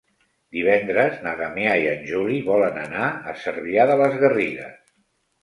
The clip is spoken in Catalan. Divendres na Damià i en Juli volen anar a Cervià de les Garrigues.